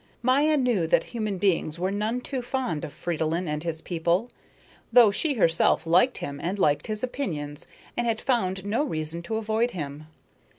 Maya knew that human beings were none too fond of Fridolin and his people, though she herself liked him and liked his opinions and had found no reason to avoid him.